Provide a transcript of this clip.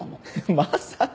まさか！